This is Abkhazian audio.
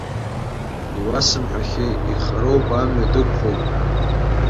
Иуасымҳәахьеи, ихароуп, амҩа дықәхоит ҳәа.